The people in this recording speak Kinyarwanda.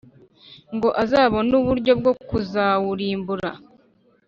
ngo azabone uburyo bwo kuzawurimbura?